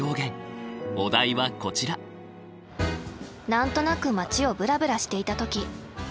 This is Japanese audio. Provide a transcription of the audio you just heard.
何となく街をブラブラしていた時。